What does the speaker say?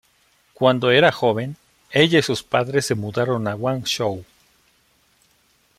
Cuando era joven, ella y sus padres se mudaron a Guangzhou.